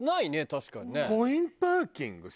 確かにね。